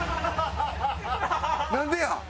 なんでや？